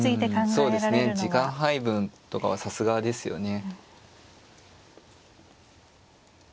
そうですね時間配分とかはさすがですよね。